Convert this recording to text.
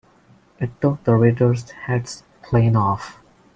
It took the readers' heads clean off.